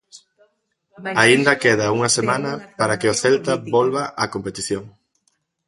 Aínda queda unha semana para que o Celta volva á competición.